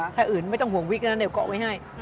ถ้าอื่นไม่ต้องห่วงวิกนะเดี๋ยวเกาะไว้ให้